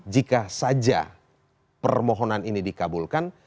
jika saja permohonan ini dikabulkan